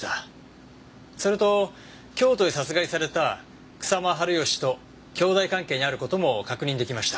それと京都で殺害された草間治義と兄弟関係にある事も確認出来ました。